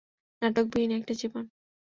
নাটকবিহীন একটা জীবন।